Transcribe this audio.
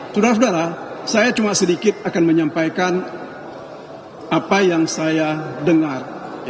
saudara saudara saya cuma sedikit akan menyampaikan apa yang saya dengar